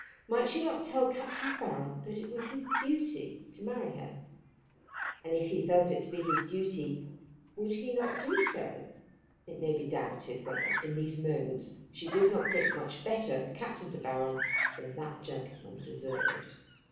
Might she not tell Captain De Baron that it was his duty to marry her? And if he felt it to be his duty would he not do so? It may be doubted whether in these moments she did not think much better of Captain De Baron than that gentleman deserved.